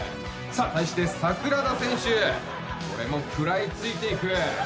対して櫻田選手これも食らいついていく。